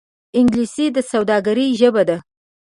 انګلیسي د سوداگرۍ ژبه ده